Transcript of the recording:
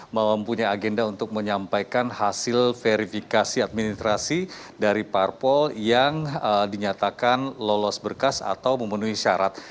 mempunyai agenda untuk menyampaikan hasil verifikasi administrasi dari parpol yang dinyatakan lolos berkas atau memenuhi syarat